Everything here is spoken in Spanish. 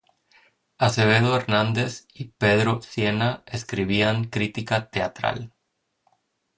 Acevedo Hernández y Pedro Sienna escribían crítica teatral.